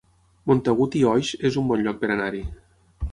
Montagut i Oix es un bon lloc per anar-hi